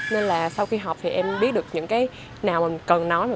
nên là sau khi học thì em biết được những cái nào mà mình cần nói